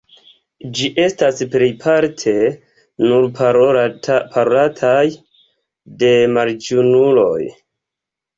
Ĝi estas plejparte nur parolataj de maljunuloj.